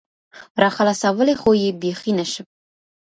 راخلاصولى خو يې بيخي نشم